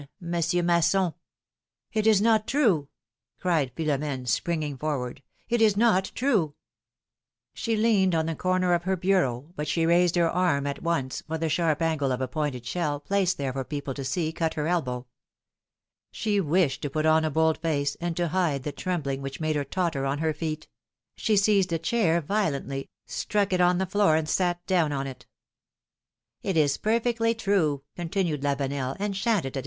Monsieur Masson." ^At is not true!" cried Philomene, springing forward. It is not true !" She leaned on the corner of her bureau, but she raised her arm at once, for the sharp angle of a pointed shell, placed there for people to see, cut her elbow. She wished to put on a bold face, and to hide the trembling which made her totter on her feet ; she seized a chair violently, struck it on the floor and sat down on it. It is perfectly true," continued Lavenel, enchanted at philom^:ne's marriages.